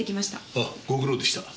ああご苦労でした。